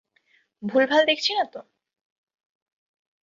ভুলভাল দেখছি না তো!